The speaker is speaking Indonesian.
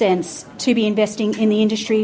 untuk berinvestasi di industri